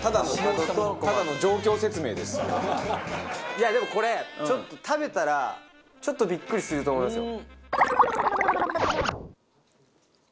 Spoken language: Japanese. いやでもこれちょっと食べたらちょっとビックリすると思いますよ。